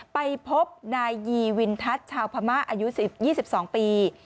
ไปพบนายยีวินทัศน์ชาวพม่าอายุ๒๒ปี